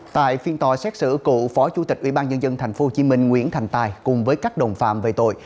tại phiên tòa xét xử cựu phó chủ tịch ubnd tp hcm nguyễn thành tài cùng với các đồng phạm về tội